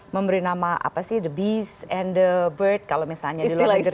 memberi nama apa sih the beast and the bird kalau misalnya di luar negeri